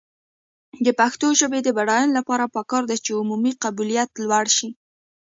د پښتو ژبې د بډاینې لپاره پکار ده چې عمومي قبولیت لوړ شي.